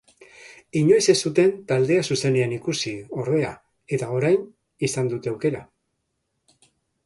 Inoiz ez zuten taldea zuzenean ikusi ordea, eta orain izan dute aukera.